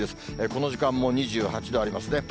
この時間も２８度ありますね。